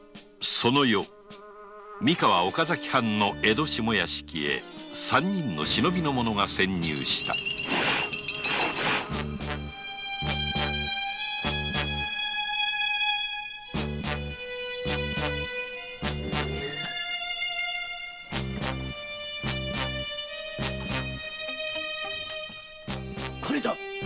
その夜三河岡崎藩の江戸下屋敷へ三人の忍びの者が潜入したこれだ！